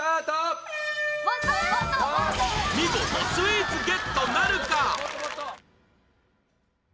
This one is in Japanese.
見事スイーツゲットなるか？